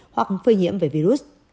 hoặc phơi nhiễm về virus